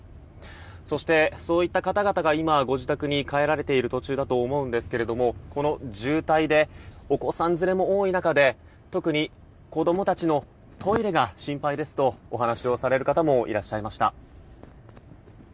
そしてそういった方々が今ご自宅に帰られている途中だと思うんですけれどもこの渋滞でお子さん連れも多い中で特に子供たちのトイレが心配ですと、お話をされる方もいらっしゃいました。